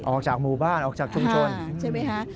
ออกจากหมู่บ้านออกจากชุมชน